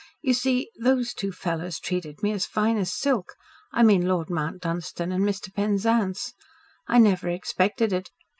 You see those two fellows treated me as fine as silk. I mean Lord Mount Dunstan and Mr. Penzance. I never expected it.